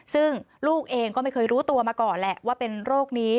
ซึ่งลูกเองก็ไม่เคยรู้ตัวมาก่อนแหละว่าเป็นโรคนี้